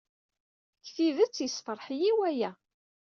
Deg tidet, yessefṛeḥ-iyi waya.